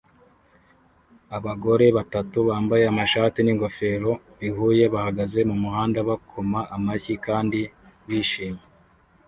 Abagore batatu bambaye amashati n'ingofero bihuye bahagaze mumuhanda bakoma amashyi kandi bishimye